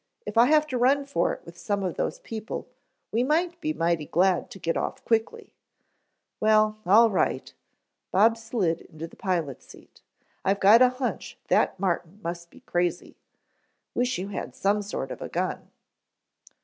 If I have to run for it with some of those people, we might be mighty glad to get off quickly." "Well, all right." Bob slid into the pilot's seat. "I've got a hunch that Martin must be crazy. Wish you had some sort of gun."